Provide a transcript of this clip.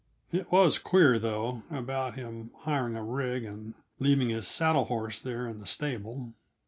It was queer, though, about his hiring a rig and leaving his saddle horse there in the stable.